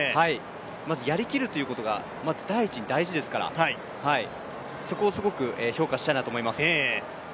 やりきるということが、まず第一に大事ですから、そこをすごく評価したいと思います。